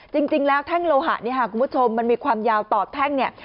จริงแล้วแท่งโลหะเนี่ยค่ะคุณผู้ชมมันมีความยาวต่อแท่งเนี่ย